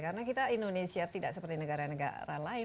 karena kita indonesia tidak seperti negara negara lain